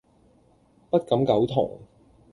不敢苟同